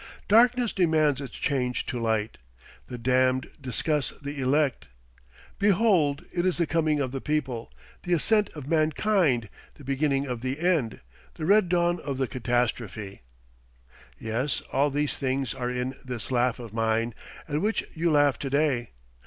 Darkness demands its change to light; the damned discuss the elect. Behold! it is the coming of the people, the ascent of mankind, the beginning of the end, the red dawn of the catastrophe! Yes, all these things are in this laugh of mine, at which you laugh to day!